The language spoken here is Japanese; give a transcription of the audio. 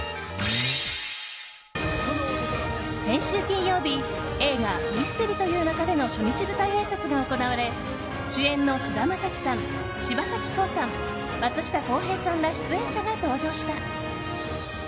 先週金曜日映画「ミステリと言う勿れ」の初日舞台あいさつが行われ主演の菅田将暉さん柴咲コウさん、松下洸平さんら出演者が登場した。